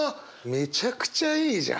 めちゃくちゃいいじゃん！